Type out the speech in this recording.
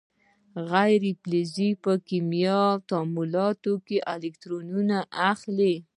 غیر فلزونه په کیمیاوي تعاملونو کې الکترونونه اخلي.